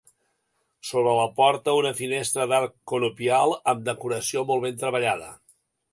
Sobre la porta una finestra d'arc conopial amb decoració molt ben treballada.